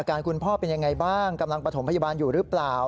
คุณพ่อเป็นยังไงบ้างกำลังประถมพยาบาลอยู่หรือเปล่า